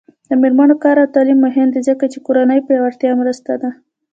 د میرمنو کار او تعلیم مهم دی ځکه چې کورنۍ پیاوړتیا مرسته ده.